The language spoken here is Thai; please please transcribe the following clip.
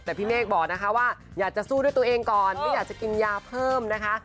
แต่พี่เมฆบอกนะคะว่าอยากจะสู้ด้วยตัวเองก่อนไม่อยากจะกินยาเพิ่มนะคะ